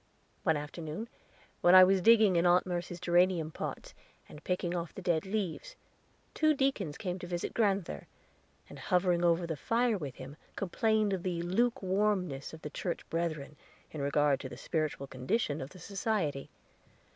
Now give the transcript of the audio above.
One afternoon, when I was digging in Aunt Mercy's geranium pots, and picking off the dead leaves, two deacons came to visit grand'ther, and, hovering over the fire with him, complained of the lukewarmness of the church brethren in regard to the spiritual condition of the Society.